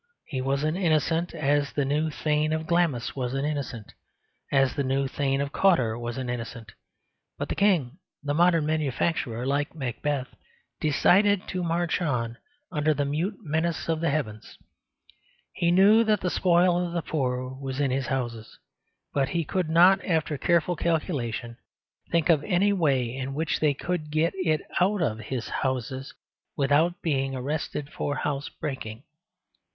He was innocent as the new Thane of Glamis was innocent, as the new Thane of Cawdor was innocent; but the King The modern manufacturer, like Macbeth, decided to march on, under the mute menace of the heavens. He knew that the spoil of the poor was in his houses; but he could not, after careful calculation, think of any way in which they could get it out of his houses without being arrested for housebreaking.